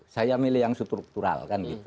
saya milih yang struktural